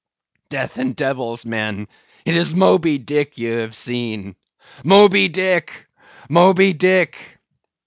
Death and devils! men, it is Moby Dick ye have seen—Moby Dick—Moby Dick!"